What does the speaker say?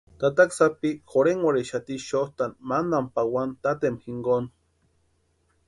Tataka sapi jorhenkwarhixati xotʼani mantani pawani tatempa jinkoni.